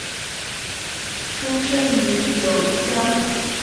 出生于九如乡。